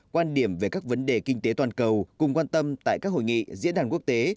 quan điểm về các vấn đề kinh tế toàn cầu cùng quan tâm tại các hội nghị diễn đàn quốc tế